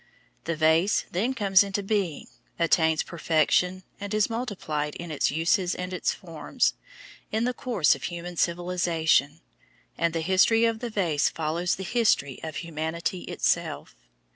The vase then comes into being, attains perfection, and is multiplied in its uses and its forms, in the course of human civilisation; and the history of the vase follows the history of humanity itself.